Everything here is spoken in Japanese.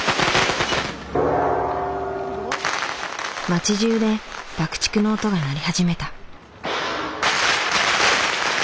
町じゅうで爆竹の音が鳴り始めた。